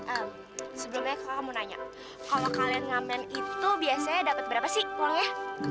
ehm sebelumnya kakak mau nanya kalau kalian ngamen itu biasanya dapat berapa sih pohonnya